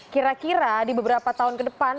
kira kira di beberapa tahun ke depan